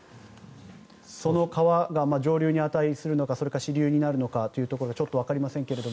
その川が上流に値するのか主流になるのかというのがちょっとわかりませんが。